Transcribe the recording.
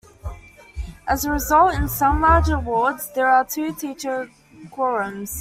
As a result, in some larger wards there are two teacher quorums.